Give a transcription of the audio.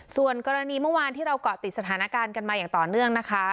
ส่วนกรณีเมื่อวานที่เราเกาะติดสถานการณ์กันมาอย่างต่อเนื่องนะคะ